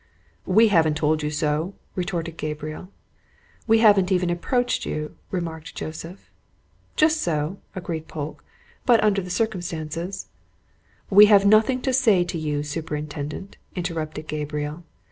"We haven't told you so," retorted Gabriel. "We haven't even approached you," remarked Joseph. "Just so!" agreed Polke. "But, under the circumstances " "We have nothing to say to you, superintendent," interrupted Gabriel.